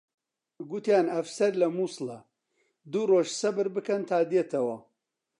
گوتیان ئەفسەر لە مووسڵە، دوو ڕۆژ سەبر بکەن تا دێتەوە